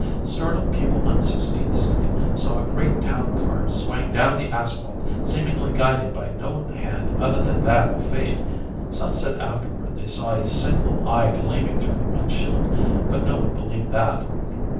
Startled people on Sixteenth Street saw a great town car swaying down the asphalt seemingly guided by no hand other than that of fate; some said afterward they saw a single eye gleaming through the windshield, but no one believed that.